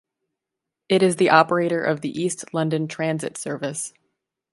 It is the operator of the East London Transit service.